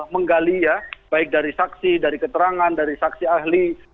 menggali ya baik dari saksi dari keterangan dari saksi ahli